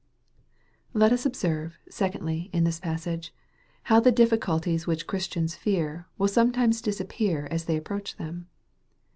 Let us observe, secondly, in this passage, how the difficulties which Christians fear, will sometimes disappear as they approach them.